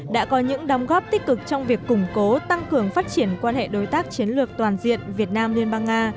đã có những đóng góp tích cực trong việc củng cố tăng cường phát triển quan hệ đối tác chiến lược toàn diện việt nam liên bang nga